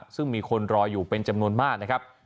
ซึ่งมีคนรออยู่เป็นจำนวนมากนะครับ